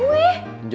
hah lo liapin hp gue